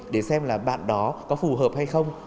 để xem là bạn đó có phù hợp hay không